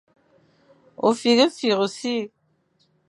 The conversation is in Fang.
Ôfîghefîkh ô sir.